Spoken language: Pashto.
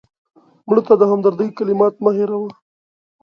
مړه ته د همدردۍ کلمات مه هېروه